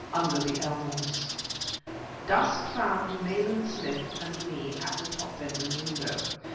UNDER THE ELMS Dusk found Nayland Smith and me at the top bedroom window.